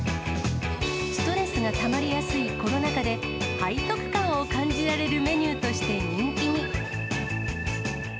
ストレスがたまりやすいコロナ禍で、背徳感を感じられるメニューとして人気に。